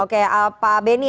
oke pak benny